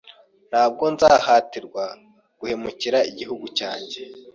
Ntabwo nzahatirwa guhemukira igihugu cyanjye.